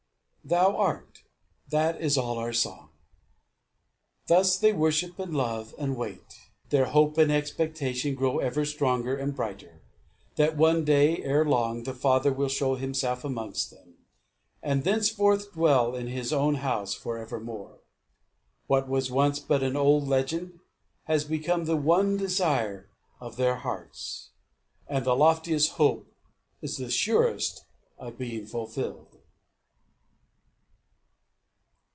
Thou art that is all our song." Thus they worship, and love, and wait. Their hope and expectation grow ever stronger and brighter, that one day, ere long, the Father will show Himself amongst them, and thenceforth dwell in His own house for evermore. What was once but an old legend has become the one desire of their hearts. And the loftiest hope is the surest of being fulfilled.